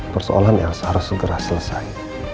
persoalan yang harus segera selesai